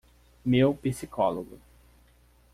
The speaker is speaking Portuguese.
Meu psicólogo